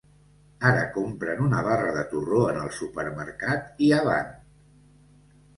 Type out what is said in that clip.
Ara compren una barra de torró en el supermercat i avant.